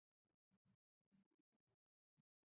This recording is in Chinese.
吉冈亚衣加是一位日本的创作型歌手。